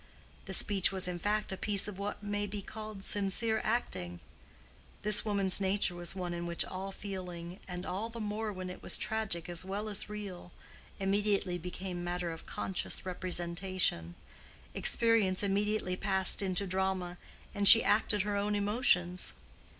The speech was in fact a piece of what may be called sincere acting; this woman's nature was one in which all feeling—and all the more when it was tragic as well as real—immediately became matter of conscious representation: experience immediately passed into drama, and she acted her own emotions.